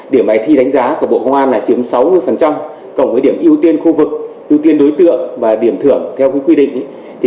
điểm bài thi đánh giá của bộ công an là chiếm sáu mươi cộng với điểm ưu tiên khu vực ưu tiên đối tượng và điểm thưởng theo quy định